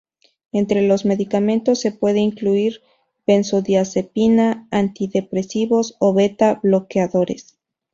Entre los medicamentos se puede incluir benzodiazepina, antidepresivos, o beta bloqueadores.